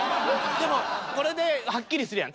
でもこれではっきりするやん。